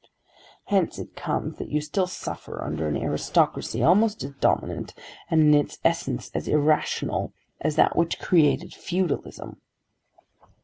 "Hence it comes that you still suffer under an aristocracy almost as dominant, and in its essence as irrational, as that which created feudalism."